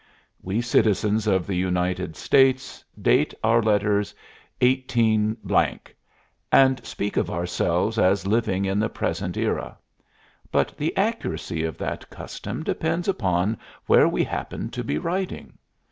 We citizens of the United States date our letters 18 , and speak of ourselves as living in the present era; but the accuracy of that custom depends upon where we happen to be writing.